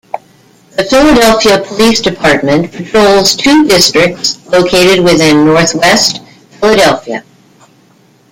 The Philadelphia Police Department patrols two districts located within Northwest Philadelphia.